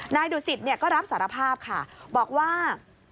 ดุสิตก็รับสารภาพค่ะบอกว่า